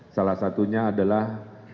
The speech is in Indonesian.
salah satunya adalah